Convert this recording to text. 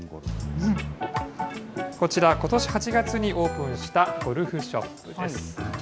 こちら、ことし８月にオープンしたゴルフショップです。